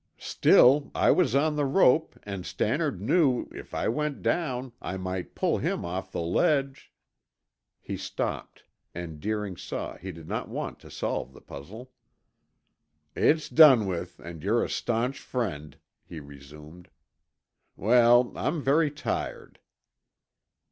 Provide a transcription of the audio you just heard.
"Still I was on the rope and Stannard knew, if I went down, I might pull him off the ledge " He stopped and Deering saw he did not want to solve the puzzle. "It's done with and you're a stanch friend," he resumed. "Well, I'm very tired."